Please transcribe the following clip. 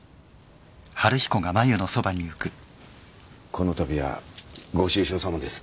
このたびはご愁傷さまです。